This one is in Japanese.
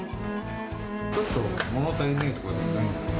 ちょっともの足りないとかはないんですか？